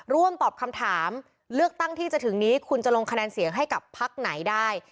ร่วมตอบคำถามเลือกตั้งที่จะถึงนี้คุณจะลงคะแนนเสียงให้กับพักไหนได้